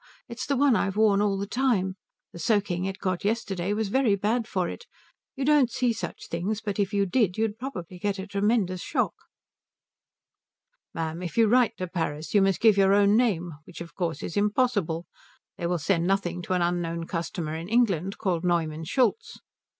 It's the one I've worn all the time. The soaking it got yesterday was very bad for it. You don't see such things, but if you did you'd probably get a tremendous shock." "Ma'am, if you write to Paris you must give your own name, which of course is impossible. They will send nothing to an unknown customer in England called Neumann Schultz."